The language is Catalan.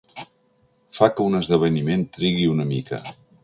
Fa que un esdeveniment trigui una mica.